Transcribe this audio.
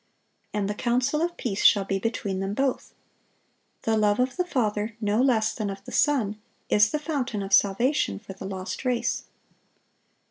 "And the counsel of peace shall be between Them both." The love of the Father, no less than of the Son, is the fountain of salvation for the lost race.